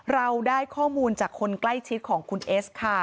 เราได้ข้อมูลจากคนใกล้ชิดของคุณเอสค่ะ